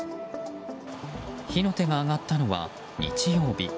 火の手が上がったのは日曜日。